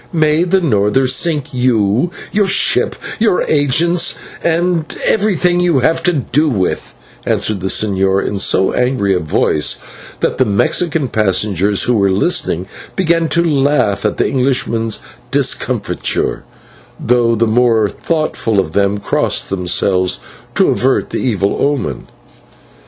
"May the norther sink you, your ship, your agents, and every thing you have to do with," answered the señor in so angry a voice, that the Mexican passengers who were listening began to laugh at the Englishman's discomfiture, though the more thoughtful of them crossed themselves to avert the evil omen.